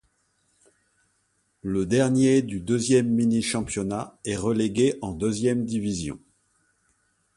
Le dernier du deuxième mini-championnat est relégué en deuxième division.